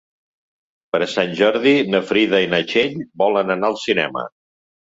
Per Sant Jordi na Frida i na Txell volen anar al cinema.